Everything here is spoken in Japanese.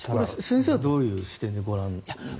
先生は、どういう視点でご覧になっていますか？